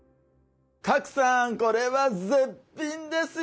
賀来さんこれは絶品ですよ。